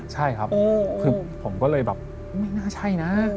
ใช่ครับคือผมก็เลยแบบไม่น่าใช่นะ